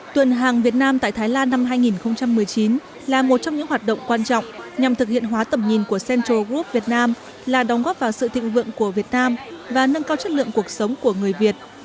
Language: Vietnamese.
tuần hàng việt nam tại thái lan năm hai nghìn một mươi chín là một trong những hoạt động quan trọng nhằm thực hiện hóa tầm nhìn của central group việt nam là đóng góp vào sự thịnh vượng của việt nam và nâng cao chất lượng cuộc sống của người việt